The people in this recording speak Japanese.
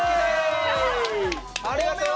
ありがとう！